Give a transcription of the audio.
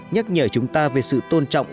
nhắc nhở chúng ta về sự tôn trọng